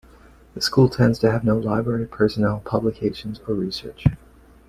The school tends to have no library, personnel, publications or research.